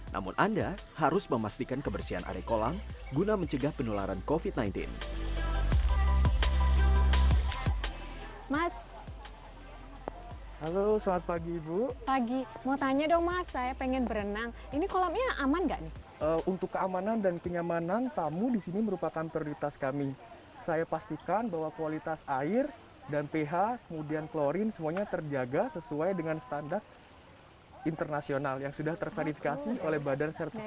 namun anda harus memastikan kebersihan area kolam guna mencegah penularan covid sembilan belas